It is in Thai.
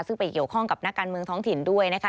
ซึ่งไปเกี่ยวข้องกับนักการเมืองท้องถิ่นด้วยนะคะ